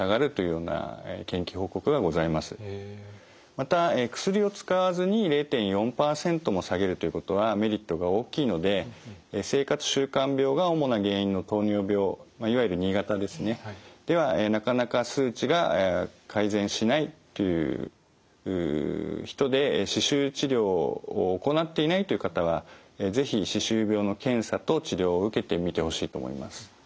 また薬を使わずに０．４％も下げるということはメリットが大きいので生活習慣病が主な原因の糖尿病いわゆる２型ですねではなかなか数値が改善しないという人で歯周治療を行っていないという方は是非歯周病の検査と治療を受けてみてほしいと思います。